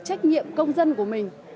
trách nhiệm công dân của mình